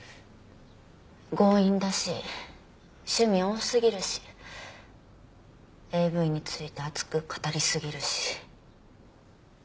強引だし趣味多すぎるしＡＶについて熱く語りすぎるし。